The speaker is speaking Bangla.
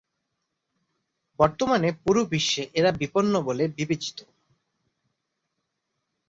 বর্তমানে পুরো বিশ্বে এরা বিপন্ন বলে বিবেচিত।